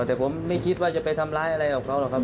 แต่ผมไม่คิดว่าจะไปทำร้ายอะไรกับเขาหรอกครับ